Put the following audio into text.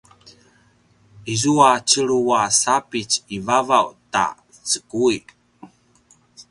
izua tjelu a sapitj i vavaw ta cukui